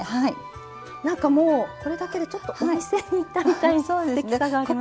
なんかもうこれだけでちょっとお店に行ったみたいなステキさがありますね。